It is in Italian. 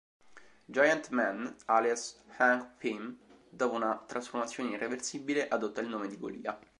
Giant Man, alias Hank Pym, dopo una trasformazione irreversibile, adotta il nome di "Golia".